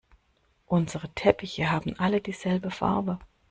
Unsere Teppiche haben alle dieselbe Farbe.